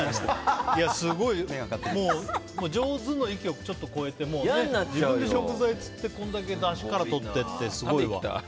上手の域をちょっと超えて自分で食材釣って、これだけダシからとってってすごいわ。